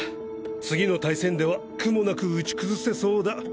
次の対戦では苦もなく打ち崩せそうだ。